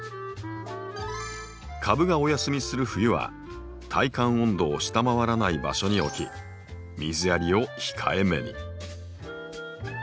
株がお休みする冬は耐寒温度を下回らない場所に置き水やりを控えめに。